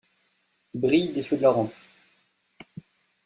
brille des feux de la rampe.